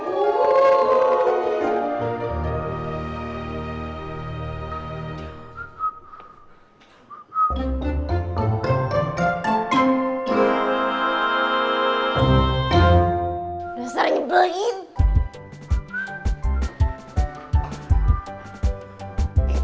udah sering nyebelin